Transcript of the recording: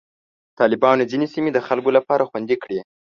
طالبانو ځینې سیمې د خلکو لپاره خوندي کړې.